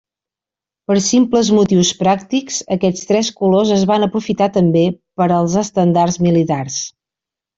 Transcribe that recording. Per simples motius pràctics aquests tres colors es van aprofitar també per als estendards militars.